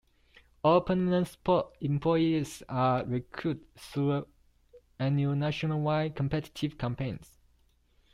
All permanent support employees are recruited through annual nationwide competitive campaigns.